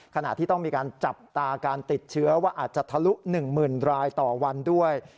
ขณะที่ต้องมีการจับตาการติดเชื้อว่าอาจจะทะลุ๑๐๐๐รายต่อวันด้วย